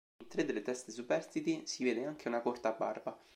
In tre delle teste superstiti si vede anche una corta barba.